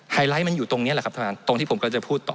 ไลท์มันอยู่ตรงนี้แหละครับท่านตรงที่ผมกำลังจะพูดต่อ